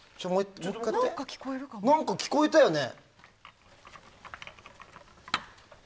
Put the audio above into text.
何か聞こえたよね。